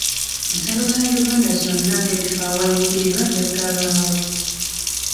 Ensalo za Uganda zonna n'ebifo awayingirirwa bya ggalwawo.